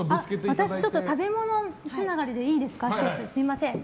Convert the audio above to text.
私、食べ物つながりでいいですか。